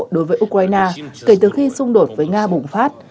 đối với ukraine kể từ khi xung đột với nga bùng phát